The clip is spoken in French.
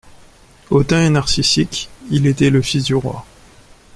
Hautain et narcissique, il était le fils du roi.